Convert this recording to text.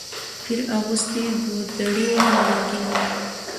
پیر اغوستې ګودړۍ وه ملنګینه